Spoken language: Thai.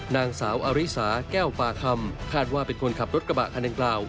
นางสาวอาริสาแก้วป่าคำคาดว่าเป็นคนขับรถกระบะคันดังกล่าว